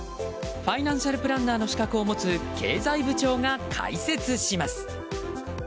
ファイナンシャルプランナーの資格を持つ経済部長が解説します。